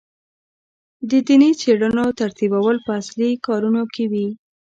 د دیني څېړنو ترتیبول په اصلي کارونو کې وي.